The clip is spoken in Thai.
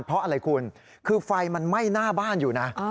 เพราะอะไรคุณคือไฟมันไหม้หน้าบ้านอยู่นะ